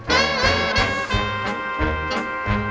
ไข่ไก่โอเยี่ยมอ้างอร่อยแท้อยากกิน